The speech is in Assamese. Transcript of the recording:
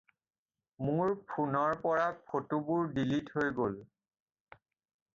মোৰ ফোনৰ পৰা ফটোবোৰ ডিলিট হৈ গ'ল।